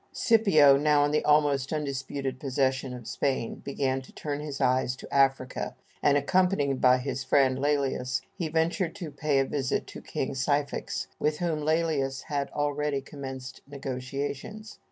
Scipio, now in the almost undisputed possession of Spain, began to turn his eyes to Africa, and, accompanied by his friend Lælius, he ventured to pay a visit to King Syphax, with whom Lælius had already commenced negotiations.